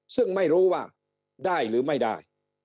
ซึ่งไม่รู้ว่าได้หรือไม่ได้